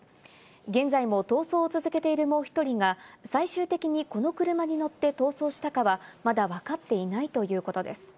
現在も逃走を続けているもう１人が最終的にこの車に乗って逃走したかは、まだわかっていないということです。